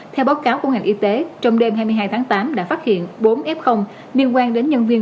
theo báo cáo của ngành y tế trong đêm hai mươi hai tháng tám đã phát hiện bốn f liên quan đến nhân viên